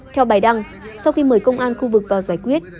theo bài đăng sau khi mời công an khu vực vào giải quyết